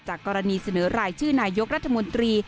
กรณีเสนอรายชื่อนายกรัฐมนตรี